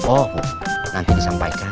oh nanti disampaikan